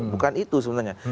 bukan itu sebenarnya